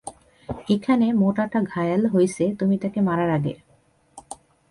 এখানে মোটা টা ঘায়েল হইছে তুমি তাকে মারার আগে।